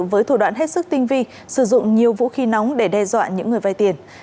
với thủ đoạn hết sức tinh vi sử dụng nhiều vũ khí nóng để đe dọa những người vay tiền